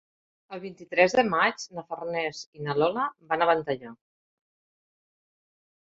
El vint-i-tres de maig na Farners i na Lola van a Ventalló.